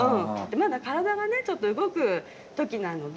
まだ体がねちょっと動く時なので。